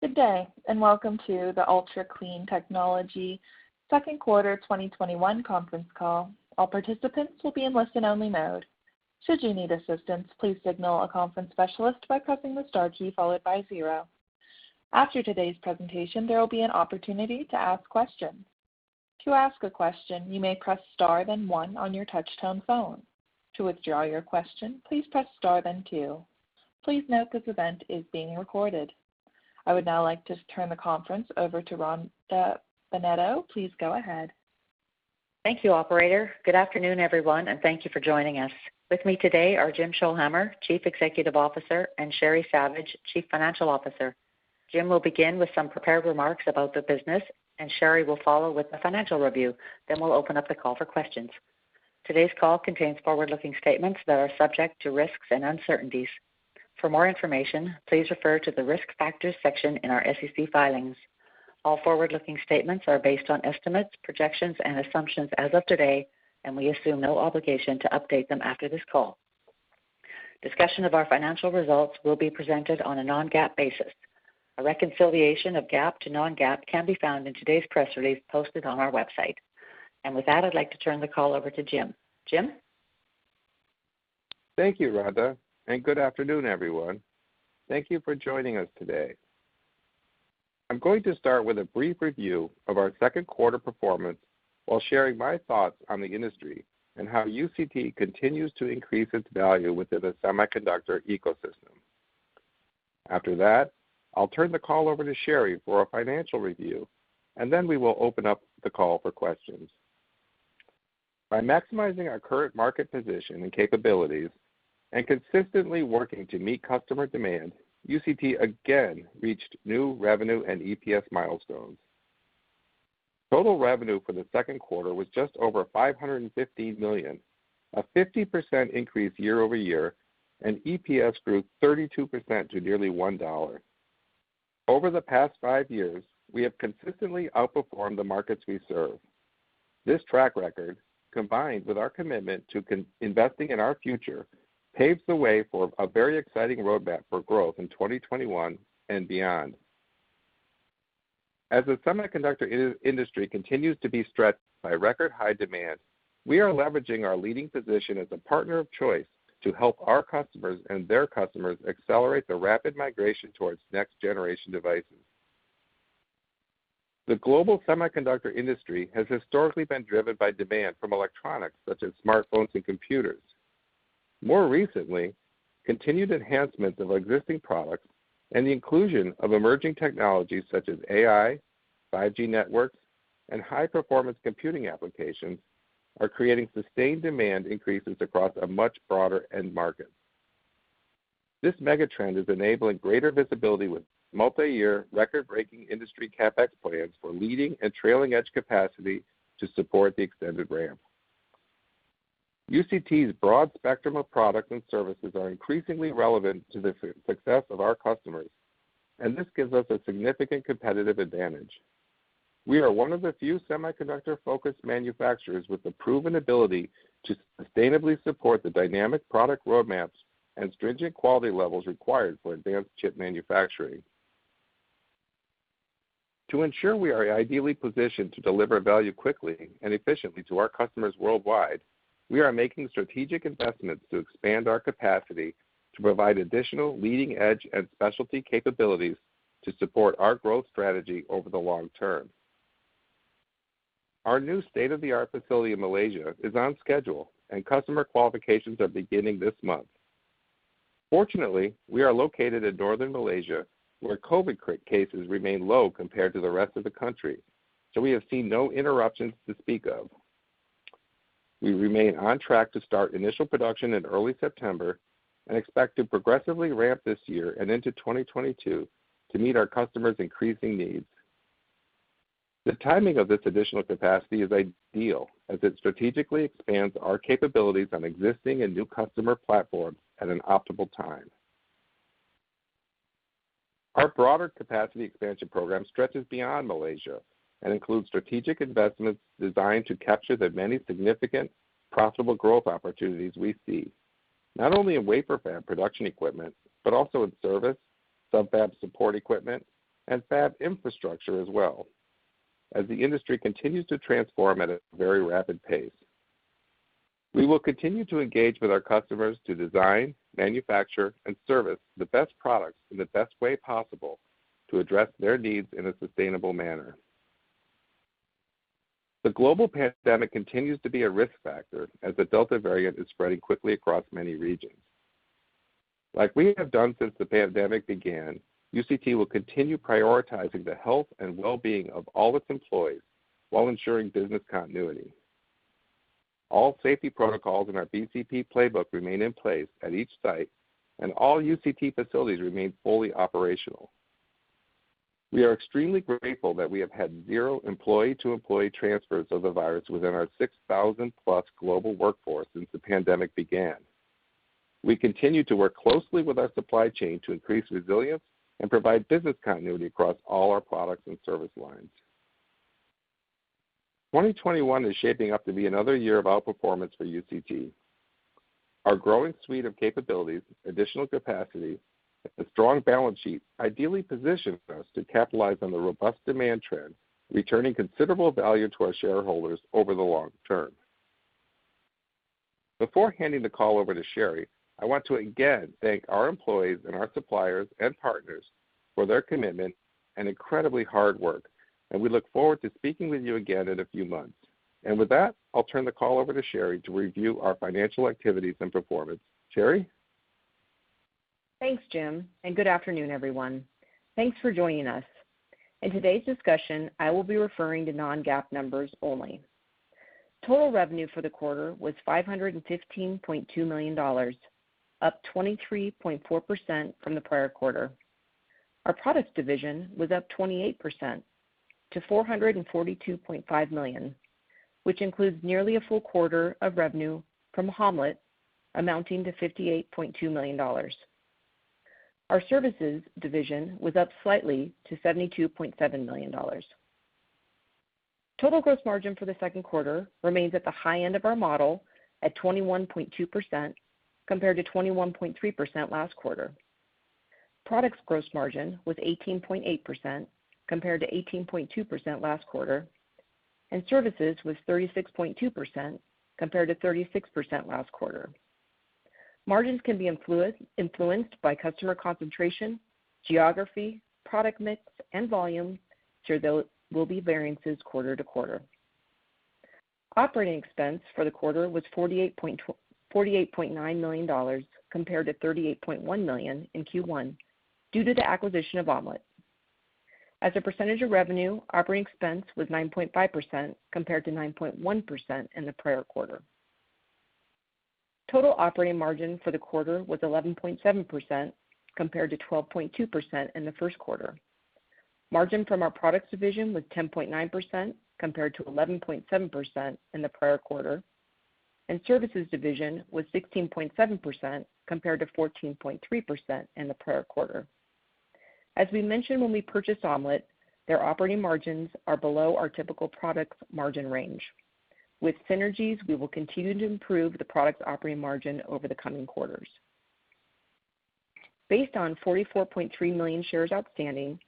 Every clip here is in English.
Good day, and welcome to the Ultra Clean Technology second quarter 2021 conference call. All participants will be in listen only mode. Should you need assistance, please signal a conference specialist by prepping the star key followed by zero After today's presentation, there will be an opportunity to ask questions. To ask a question you may press star then one on your touch-tone phone. To withdraw your question, please press star then two. Please note this event is being recorded. I would now like to turn the conference over to Rhonda Bennetto. Please go ahead. Thank you, operator. Good afternoon, everyone. Thank you for joining us. With me today are Jim Scholhamer, Chief Executive Officer, and Sheri Savage, Chief Financial Officer. Jim will begin with some prepared remarks about the business. Sheri will follow with a financial review. We'll open up the call for questions. Today's call contains forward-looking statements that are subject to risks and uncertainties. For more information, please refer to the risk factors section in our SEC filings. All forward-looking statements are based on estimates, projections, and assumptions as of today. We assume no obligation to update them after this call. Discussion of our financial results will be presented on a non-GAAP basis. A reconciliation of GAAP to non-GAAP can be found in today's press release posted on our website. With that, I'd like to turn the call over to Jim. Jim? Thank you, Rhonda, and good afternoon, everyone. Thank you for joining us today. I'm going to start with a brief review of our second quarter performance while sharing my thoughts on the industry and how UCT continues to increase its value within the semiconductor ecosystem. After that, I'll turn the call over to Sheri for a financial review, and then we will open up the call for questions. By maximizing our current market position and capabilities and consistently working to meet customer demand, UCT again reached new revenue and EPS milestones. Total revenue for the second quarter was just over $515 million, a 50% increase year-over-year, and EPS grew 32% to nearly $1. Over the past five years, we have consistently outperformed the markets we serve. This track record, combined with our commitment to investing in our future, paves the way for a very exciting roadmap for growth in 2021 and beyond. As the semiconductor industry continues to be stretched by record high demand, we are leveraging our leading position as a partner of choice to help our customers and their customers accelerate the rapid migration towards next generation devices. The global semiconductor industry has historically been driven by demand from electronics such as smartphones and computers. More recently, continued enhancements of existing products and the inclusion of emerging technologies such as AI, 5G networks, and high performance computing applications are creating sustained demand increases across a much broader end market. This mega trend is enabling greater visibility with multi-year record-breaking industry CapEx plans for leading and trailing edge capacity to support the extended ramp. UCT's broad spectrum of products and services are increasingly relevant to the success of our customers, this gives us a significant competitive advantage. We are one of the few semiconductor-focused manufacturers with the proven ability to sustainably support the dynamic product roadmaps and stringent quality levels required for advanced chip manufacturing. To ensure we are ideally positioned to deliver value quickly and efficiently to our customers worldwide, we are making strategic investments to expand our capacity to provide additional leading edge and specialty capabilities to support our growth strategy over the long-term. Our new state-of-the-art facility in Malaysia is on schedule, customer qualifications are beginning this month. Fortunately, we are located in northern Malaysia, where COVID cases remain low compared to the rest of the country, we have seen no interruptions to speak of. We remain on track to start initial production in early September and expect to progressively ramp this year and into 2022 to meet our customers' increasing needs. The timing of this additional capacity is ideal, as it strategically expands our capabilities on existing and new customer platforms at an optimal time. Our broader capacity expansion program stretches beyond Malaysia and includes strategic investments designed to capture the many significant profitable growth opportunities we see, not only in wafer fab production equipment, but also in service, sub-fab support equipment, and fab infrastructure as well, as the industry continues to transform at a very rapid pace. We will continue to engage with our customers to design, manufacture, and service the best products in the best way possible to address their needs in a sustainable manner. The global pandemic continues to be a risk factor as the Delta variant is spreading quickly across many regions. Like we have done since the pandemic began, UCT will continue prioritizing the health and wellbeing of all its employees while ensuring business continuity. All safety protocols in our BCP playbook remain in place at each site, and all UCT facilities remain fully operational. We are extremely grateful that we have had zero employee-to-employee transfers of the virus within our 6,000+ global workforce since the pandemic began. We continue to work closely with our supply chain to increase resilience and provide business continuity across all our products and service lines. 2021 is shaping up to be another year of outperformance for UCT. Our growing suite of capabilities, additional capacity, and a strong balance sheet ideally positions us to capitalize on the robust demand trend, returning considerable value to our shareholders over the long-term. Before handing the call over to Sheri, I want to again thank our employees and our suppliers and partners for their commitment and incredibly hard work. We look forward to speaking with you again in a few months. With that, I'll turn the call over to Sheri to review our financial activities and performance. Sheri? Thanks, Jim. Good afternoon, everyone. Thanks for joining us. In today's discussion, I will be referring to non-GAAP numbers only. Total revenue for the quarter was $515.2 million, up 23.4% from the prior quarter. Our products division was up 28% to $442.5 million, which includes nearly a full quarter of revenue from Ham-Let, amounting to $58.2 million. Our services division was up slightly to $72.7 million. Total gross margin for the second quarter remains at the high end of our model at 21.2%, compared to 21.3% last quarter. Products gross margin was 18.8%, compared to 18.2% last quarter, and services was 36.2%, compared to 36% last quarter. Margins can be influenced by customer concentration, geography, product mix, and volume, so there will be variances quarter-to-quarter. Operating expense for the quarter was $48.9 million compared to $38.1 million in Q1 due to the acquisition of Ham-Let. As a percentage of revenue, operating expense was 9.5%, compared to 9.1% in the prior quarter. Total operating margin for the quarter was 11.7%, compared to 12.2% in the first quarter. Margin from our products division was 10.9%, compared to 11.7% in the prior quarter, and services division was 16.7%, compared to 14.3% in the prior quarter. As we mentioned when we purchased Ham-Let, their operating margins are below our typical products margin range. With synergies, we will continue to improve the product's operating margin over the coming quarters. Based on 44.3 million shares outstanding,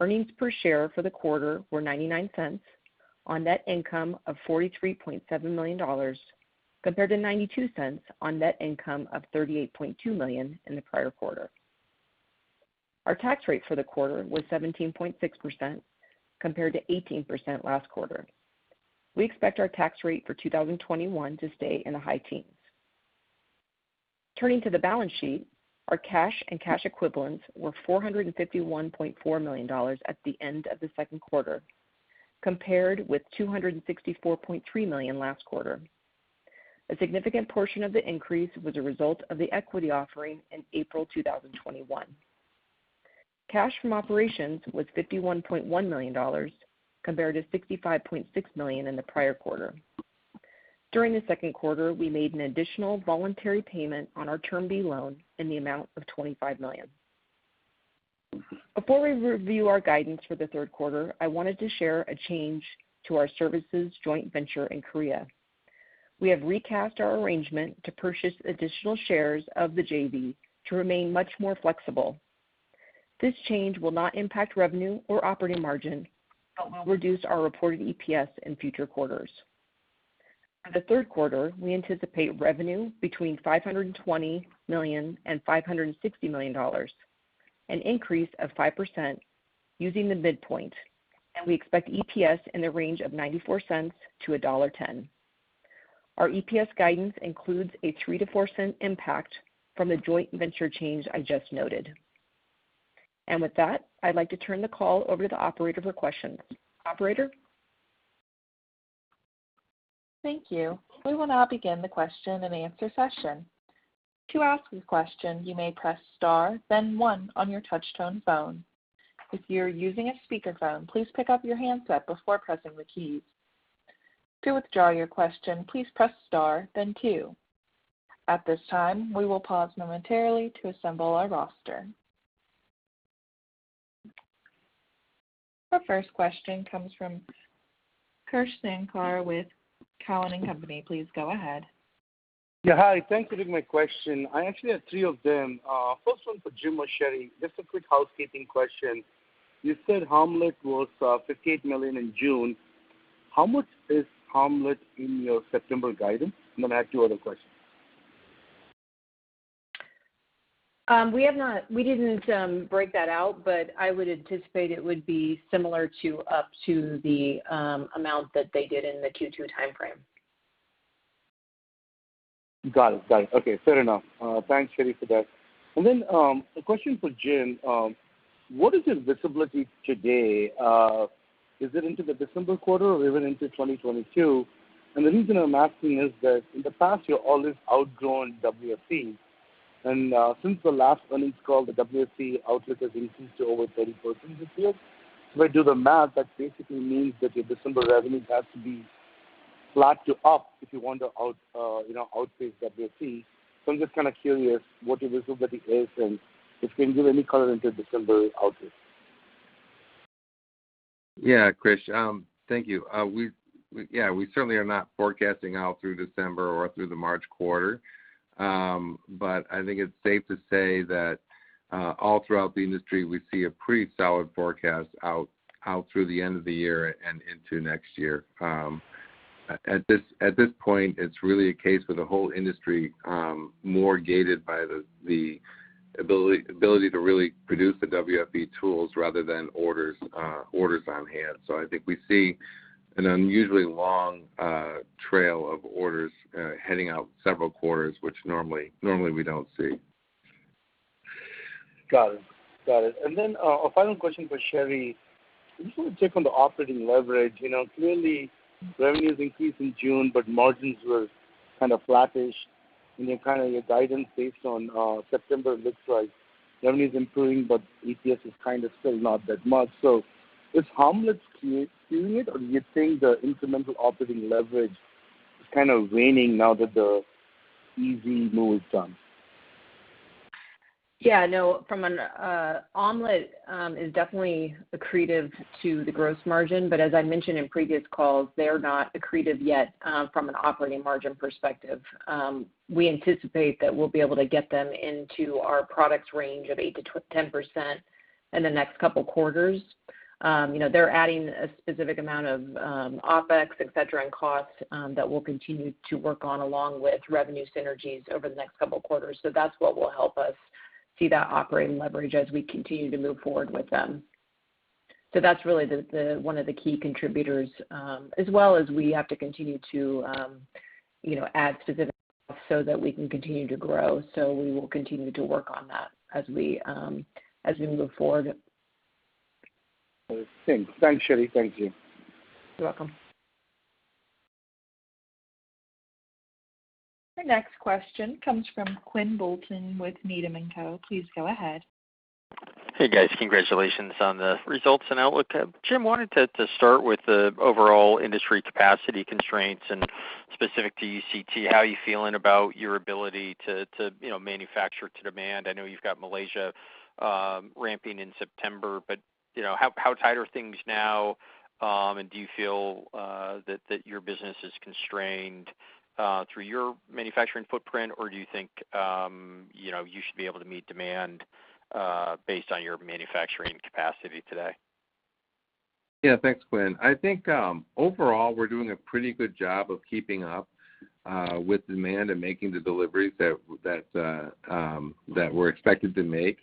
earnings per share for the quarter were $0.99 on net income of $43.7 million, compared to $0.92 on net income of $38.2 million in the prior quarter. Our tax rate for the quarter was 17.6%, compared to 18% last quarter. We expect our tax rate for 2021 to stay in the high teens. Turning to the balance sheet, our cash and cash equivalents were $451.4 million at the end of the second quarter, compared with $264.3 million last quarter. A significant portion of the increase was a result of the equity offering in April 2021. Cash from operations was $51.1 million compared to $65.6 million in the prior quarter. During the second quarter, we made an additional voluntary payment on our Term B loan in the amount of $25 million. Before we review our guidance for the third quarter, I wanted to share a change to our services joint venture in Korea. We have recast our arrangement to purchase additional shares of the JV to remain much more flexible. This change will not impact revenue or operating margin, but will reduce our reported EPS in future quarters. For the third quarter, we anticipate revenue between $520 million and $560 million, an increase of 5% using the midpoint. We expect EPS in the range of $0.94-$1.10. Our EPS guidance includes a $0.03-$0.04 impact from the joint venture change I just noted. With that, I'd like to turn the call over to the operator for questions. Operator? Thank you. We will now begin the question and answer session. To ask a question, you may press star then one on your touch-tone phone. If your're using a speakerphone, please pick up your handset before pressing the keys. To withdraw your question, please press star then two. At this time, we will pause momentarily to assemble our roster. Our first question comes from Krish Sankar with Cowen and Company. Please go ahead. Yeah. Hi, thanks for taking my question. I actually have three of them. First one for Jim or Sheri, just a quick housekeeping question. You said Ham-Let was $58 million in June. How much is Ham-Let in your September guidance? I have two other questions. We didn't break that out, but I would anticipate it would be similar to up to the amount that they did in the Q2 timeframe. Got it. Okay. Fair enough. Thanks, Sheri, for that. A question for Jim. What is your visibility today? Is it into the December quarter or even into 2022? The reason I'm asking is that in the past you're always outgrowing WFE. Since the last earnings call, the WFE outlook has increased to over 30% this year. I do the math, that basically means that your December revenue has to be flat to up if you want to outpace WFE. I'm just kind of curious what your visibility is and if you can give any color into December outlook. Yeah, Krish. Thank you. We certainly are not forecasting out through December or through the March quarter, but I think it's safe to say that all throughout the industry, we see a pretty solid forecast out through the end of the year and into next year. At this point, it's really a case for the whole industry, more gated by the ability to really produce the WFE tools rather than orders on hand. I think we see an unusually long trail of orders heading out several quarters, which normally we don't see. Got it. A final question for Sheri. I just want to check on the operating leverage. Clearly revenues increased in June, margins were kind of flattish, your guidance based on September looks like revenue's improving, EPS is kind of still not that much. Is Ham-Let skewing it, or do you think the incremental operating leverage is kind of waning now that the easy move's done? Yeah, no. Ham-Let is definitely accretive to the gross margin, but as I mentioned in previous calls, they're not accretive yet from an operating margin perspective. We anticipate that we'll be able to get them into our products range of 8%-10% in the next couple quarters. They're adding a specific amount of OpEx, etc, and costs that we'll continue to work on, along with revenue synergies over the next couple quarters. That's what will help us see that operating leverage as we continue to move forward with them. That's really one of the key contributors, as well as we have to continue to add specific stuff so that we can continue to grow. We will continue to work on that as we move forward. Thanks, Sheri. Thank you. You're welcome. The next question comes from Quinn Bolton with Needham & Company. Please go ahead. Hey, guys. Congratulations on the results and outlook. Jim, wanted to start with the overall industry capacity constraints and specific to UCT, how you feeling about your ability to manufacture to demand? I know you've got Malaysia ramping in September. How tight are things now, and do you feel that your business is constrained through your manufacturing footprint, or do you think you should be able to meet demand based on your manufacturing capacity today? Yeah. Thanks, Quinn. I think, overall, we're doing a pretty good job of keeping up with demand and making the deliveries that we're expected to make.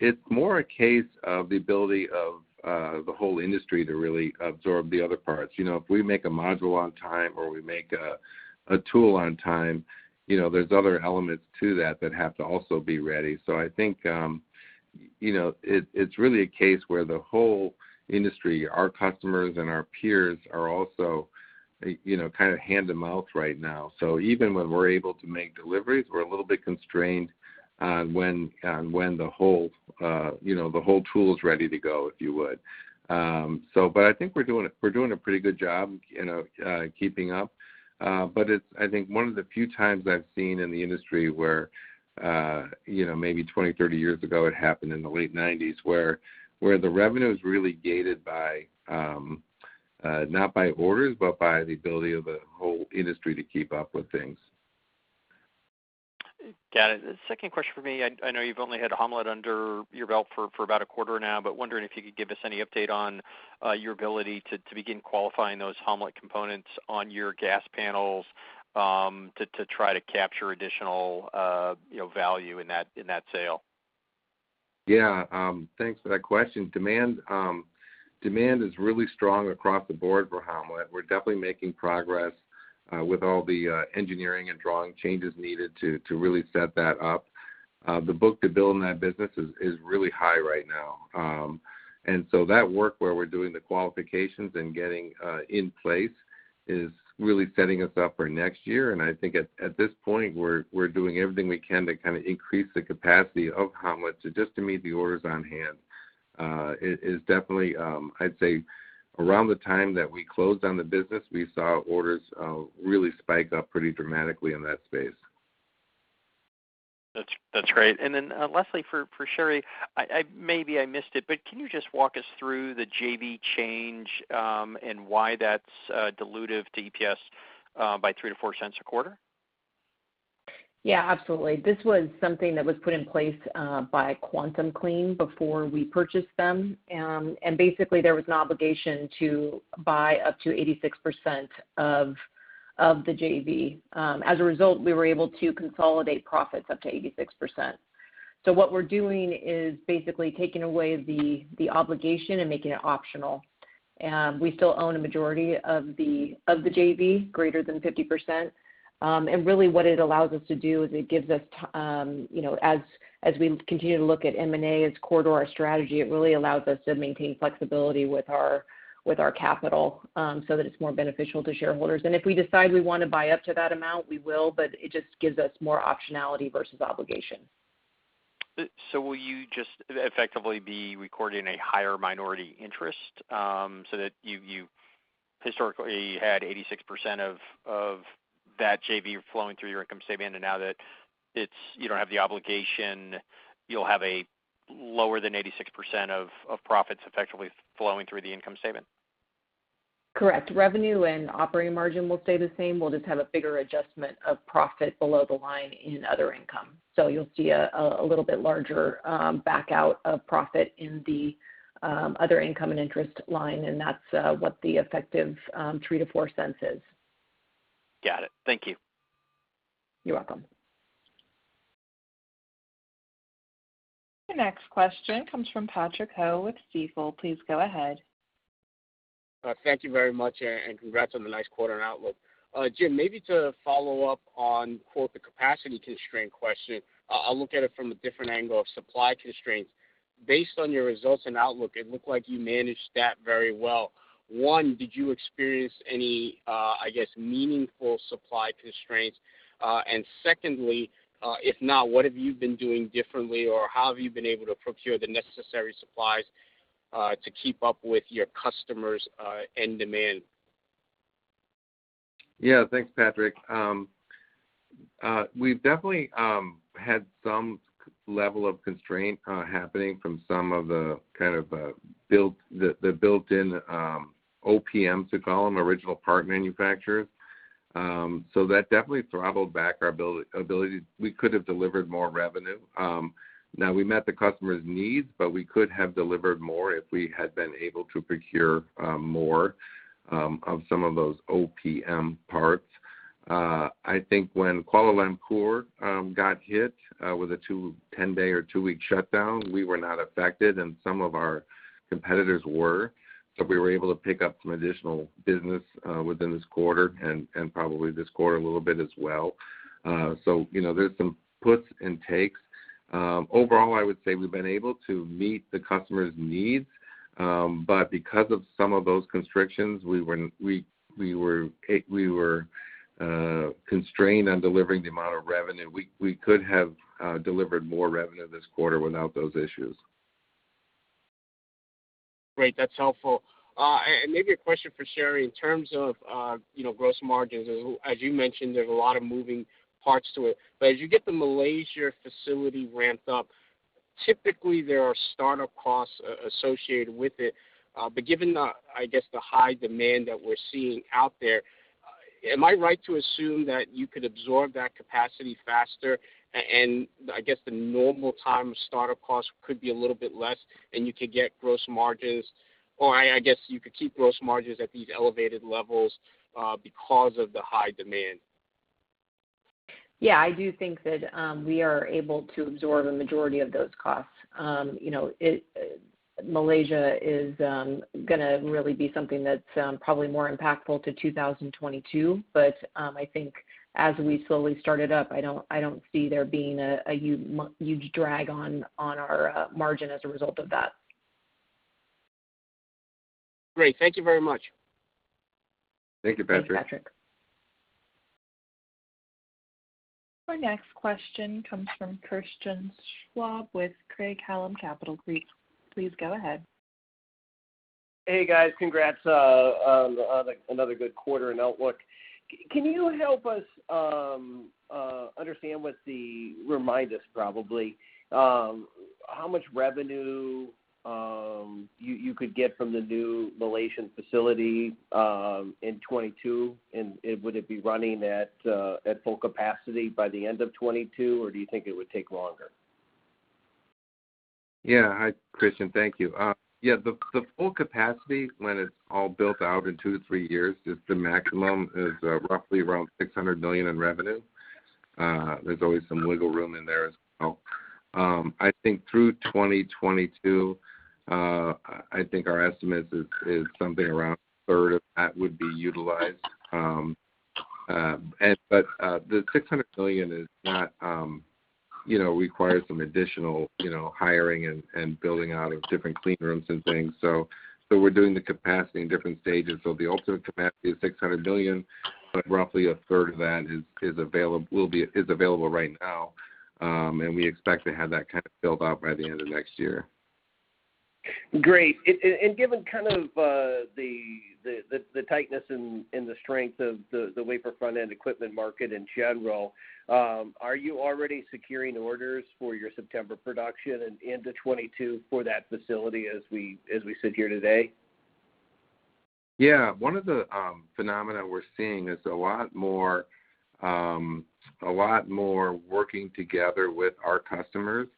It's more a case of the ability of the whole industry to really absorb the other parts. If we make a module on time or we make a tool on time, there's other elements to that that have to also be ready. I think, it's really a case where the whole industry, our customers and our peers are also kind of hand-to-mouth right now. Even when we're able to make deliveries, we're a little bit constrained on when the whole tool's ready to go, if you would. I think we're doing a pretty good job keeping up. It's, I think, one of the few times I've seen in the industry where maybe 20, 30 years ago it happened in the late 90s, where the revenue's really gated not by orders, but by the ability of the whole industry to keep up with things. Got it. Second question for me. I know you've only had Ham-Let under your belt for about a quarter now, but wondering if you could give us any update on your ability to begin qualifying those Ham-Let components on your gas panels, to try to capture additional value in that sale? Yeah. Thanks for that question. Demand is really strong across the board for Ham-Let. We're definitely making progress with all the engineering and drawing changes needed to really set that up. The book to build in that business is really high right now. That work where we're doing the qualifications and getting in place is really setting us up for next year, and I think at this point, we're doing everything we can to kind of increase the capacity of Ham-Let to just to meet the orders on hand. It is definitely, I'd say around the time that we closed on the business, we saw orders really spike up pretty dramatically in that space. That's great. Lastly, for Sheri, maybe I missed it, but can you just walk us through the JV change, and why that's dilutive to EPS by $0.03-$0.04 a quarter? Yeah, absolutely. This was something that was put in place by QuantumClean before we purchased them. Basically, there was an obligation to buy up to 86% of the JV. As a result, we were able to consolidate profits up to 86%. What we're doing is basically taking away the obligation and making it optional. We still own a majority of the JV, greater than 50%. Really what it allows us to do is it gives us, as we continue to look at M&A as core to our strategy, it really allows us to maintain flexibility with our capital, so that it's more beneficial to shareholders. If we decide we want to buy up to that amount, we will, but it just gives us more optionality versus obligation. Will you just effectively be recording a higher minority interest, so that you historically had 86% of that JV flowing through your income statement, and now that you don't have the obligation, you'll have a lower than 86% of profits effectively flowing through the income statement? Correct. Revenue and operating margin will stay the same. We'll just have a bigger adjustment of profit below the line in other income. You'll see a little bit larger back out of profit in the other income and interest line, and that's what the effective $0.03-$0.04 is. Got it. Thank you. You're welcome. The next question comes from Patrick O’Rourke with Stifel. Please go ahead. Thank you very much, and congrats on the nice quarter and outlook. Jim, maybe to follow up on "the capacity constraint question," I'll look at it from a different angle of supply constraints. Based on your results and outlook, it looked like you managed that very well. One, did you experience any, I guess, meaningful supply constraints? Secondly, if not, what have you been doing differently, or how have you been able to procure the necessary supplies to keep up with your customers' end demand? Yeah. Thanks, Patrick. We've definitely had some level of constraint happening from some of the built-in OPMs, we call them, original part manufacturers. That definitely throttled back our ability. We could have delivered more revenue. Now, we met the customer's needs, but we could have delivered more if we had been able to procure more of some of those OPM parts. I think when Kuala Lumpur got hit with a 10-day or two-week shutdown, we were not affected, and some of our competitors were. We were able to pick up some additional business within this quarter and probably this quarter a little bit as well. There's some puts and takes. Overall, I would say we've been able to meet the customer's needs. Because of some of those constrictions, we were constrained on delivering the amount of revenue. We could have delivered more revenue this quarter without those issues. Great. That's helpful. Maybe a question for Sheri. In terms of gross margins, as you mentioned, there's a lot of moving parts to it. As you get the Malaysia facility ramped up, typically there are startup costs associated with it. Given the, I guess, the high demand that we're seeing out there, am I right to assume that you could absorb that capacity faster and, I guess, the normal time startup cost could be a little bit less, and you could get gross margins, or I guess you could keep gross margins at these elevated levels because of the high demand? Yeah, I do think that we are able to absorb a majority of those costs. Malaysia is going to really be something that's probably more impactful to 2022. I think as we slowly start it up, I don't see there being a huge drag on our margin as a result of that. Great. Thank you very much. Thank you, Patrick. Thanks, Patrick. Our next question comes from Christian Schwab with Craig-Hallum Capital Group. Please go ahead. Hey, guys. Congrats on another good quarter and outlook. Can you help us understand how much revenue you could get from the new Malaysian facility in 2022? Would it be running at full capacity by the end of 2022, or do you think it would take longer? Hi, Christian. Thank you. The full capacity when it's all built out in two, three years, just the maximum is roughly around $600 million in revenue. There's always some wiggle room in there as well. I think through 2022, I think our estimate is something around a third of that would be utilized. The $600 million requires some additional hiring and building out of different clean rooms and things. We're doing the capacity in different stages. The ultimate capacity is $600 million, but roughly a third of that is available right now. We expect to have that kind of built out by the end of next year. Great. Given kind of the tightness and the strength of the wafer front-end equipment market in general, are you already securing orders for your September production and into 2022 for that facility as we sit here today? Yeah. One of the phenomena we're seeing is a lot more working together with our customers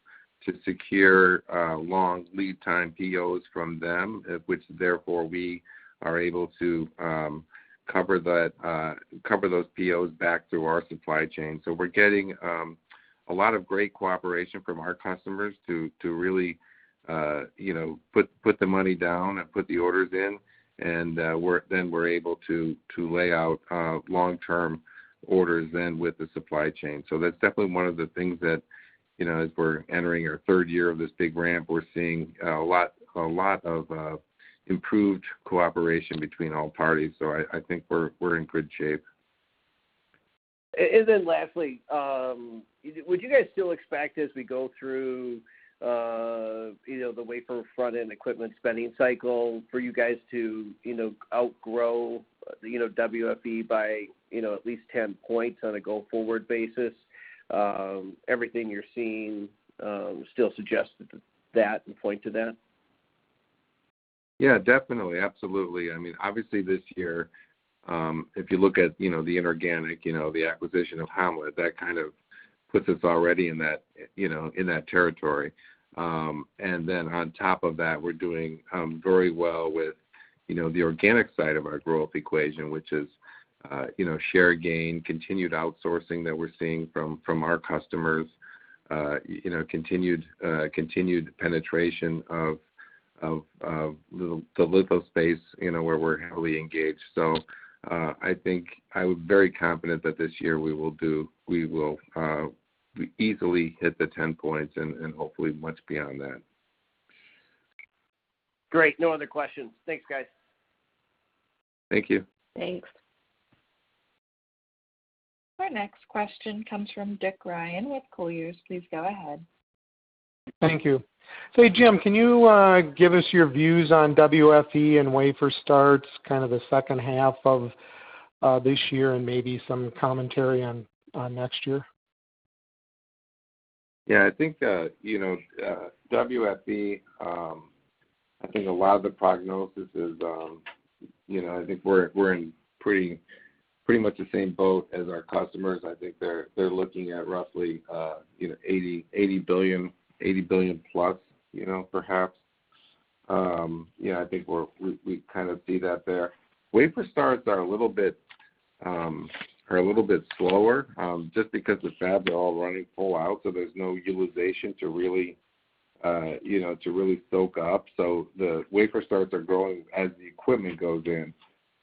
to secure long lead time POs from them, which therefore we are able to cover those POs back through our supply chain. We're getting a lot of great cooperation from our customers to really put the money down and put the orders in, and then we're able to lay out long-term orders then with the supply chain. That's definitely one of the things that, as we're entering our third year of this big ramp, we're seeing a lot of improved cooperation between all parties. I think we're in good shape. Lastly, would you guys still expect as we go through the wafer front-end equipment spending cycle for you guys to outgrow WFE by at least 10 points on a go-forward basis? Everything you're seeing still suggests that and point to that? Yeah, definitely. Absolutely. Obviously this year, if you look at the inorganic, the acquisition of Ham-Let, that kind of puts us already in that territory. On top of that, we're doing very well with the organic side of our growth equation, which is share gain, continued outsourcing that we're seeing from our customers, continued penetration of the litho space, where we're heavily engaged. I think I'm very confident that this year we will easily hit the 10 points and hopefully much beyond that. Great. No other questions. Thanks, guys. Thank you. Thanks. Our next question comes from Dick Ryan with Colliers. Please go ahead. Thank you. Hey, Jim, can you give us your views on WFE and wafer starts kind of the second half of this year and maybe some commentary on next year? I think WFE, I think a lot of the prognosis is, I think we're in pretty much the same boat as our customers. I think they're looking at roughly $80+ billion, perhaps. I think we kind of see that there. Wafer starts are a little bit slower, just because the fabs are all running full out, so there's no utilization to really soak up. The wafer starts are growing as the equipment goes in.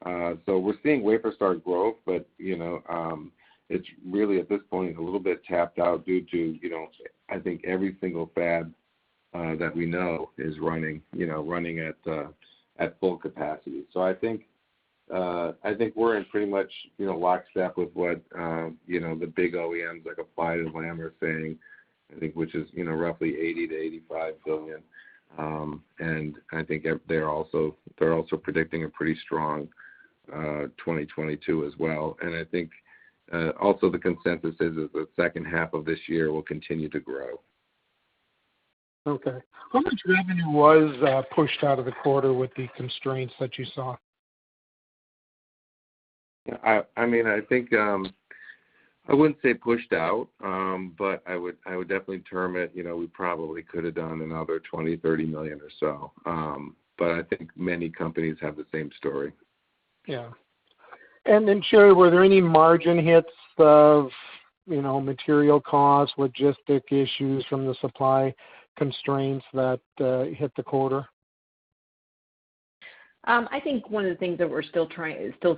We're seeing wafer start growth, but it's really, at this point, a little bit tapped out due to, I think every single fab that we know is running at full capacity. I think we're in pretty much lockstep with what the big OEMs, like Applied and Lam are saying, I think, which is roughly $80 billion-$85 billion. I think they're also predicting a pretty strong 2022 as well. I think also the consensus is that the second half of this year will continue to grow. Okay. How much revenue was pushed out of the quarter with the constraints that you saw? I think, I wouldn't say pushed out, but I would definitely term it, we probably could have done another $20 million, $30 million or so. I think many companies have the same story. Yeah. Sheri, were there any margin hits of material cost, logistic issues from the supply constraints that hit the quarter? I think one of the things that we're still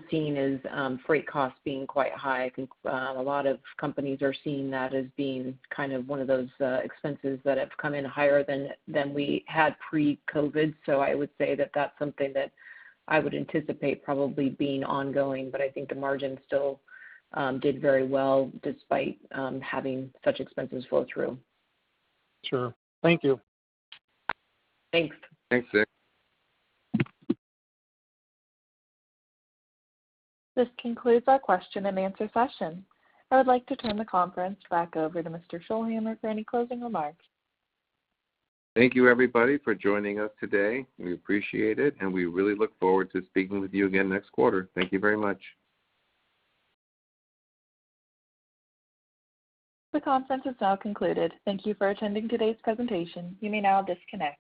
seeing is freight costs being quite high. I think a lot of companies are seeing that as being kind of one of those expenses that have come in higher than we had pre-COVID. I would say that that's something that I would anticipate probably being ongoing, but I think the margin still did very well despite having such expenses flow through. Sure. Thank you. Thanks. Thanks, Dick. This concludes our question and answer session. I would like to turn the conference back over to Mr. Scholhamer for any closing remarks. Thank you, everybody, for joining us today. We appreciate it, and we really look forward to speaking with you again next quarter. Thank you very much. The conference is now concluded. Thank you for attending today's presentation. You may now disconnect.